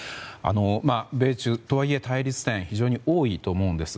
米中は、とはいえ対立点が非常に多いと思います。